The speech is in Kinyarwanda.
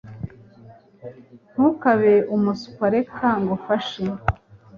Ntukabe umuswa Reka ngufashe